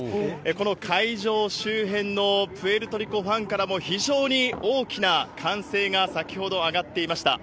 この会場周辺のプエルトリコファンからも、非常に大きな歓声が先ほど上がっていました。